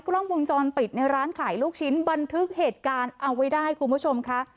กล้องวงจรปิดในร้านขายลูกชิ้นบันทึกเหตุการณ์เอาไว้ได้คุณผู้ชมค่ะ